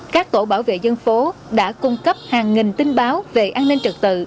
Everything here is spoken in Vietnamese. các tổ bảo vệ dân phố đã cung cấp hàng nghìn tin báo về an ninh trật tự